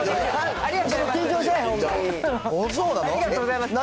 ありがとうございます。